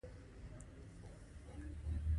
دا له هغوی څخه لوری لودن ورک کوي.